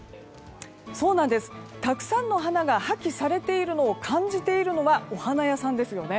たくさんの花が破棄されているのを感じているのはお花屋さんですよね。